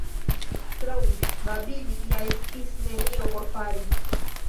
Krom babili ja estis nenio por fari.